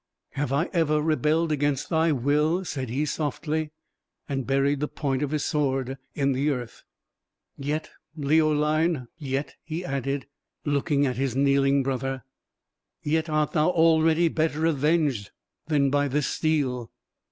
"Have I ever rebelled against thy will?" said he, softly; and buried the point of his sword in the earth. "Yet, Leoline, yet," added he, looking at his kneeling brother, "yet art thou already better avenged than by this steel!"